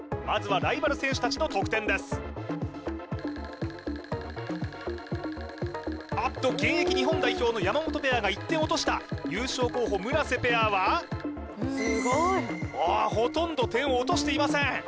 まずはライバル選手達の得点ですあっと現役日本代表の山本ペアが１点落とした優勝候補村瀬ペアはほとんど点を落としていません